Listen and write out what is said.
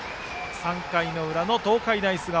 ３回裏の東海大菅生。